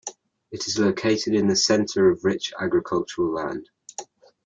It is located in the center of rich agricultural land.